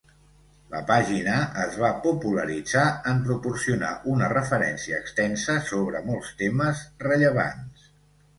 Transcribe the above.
La pàgina es va popularitzar en proporcionar una referència extensa sobre molts temes rellevants.